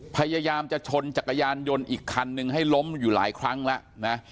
พยายามจะชนจักรยานยนต์อีกคันนึงให้ล้มอยู่หลายครั้งแล้วนะ